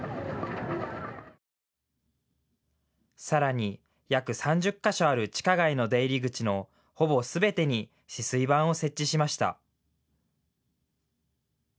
さらに約３０か所ある地下街の出入り口のほぼすべてに止水板を設置しました。